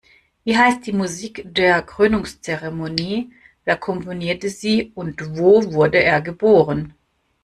Wie heißt die Musik der Krönungzeremonie, wer komponierte sie und wo wurde er geboren?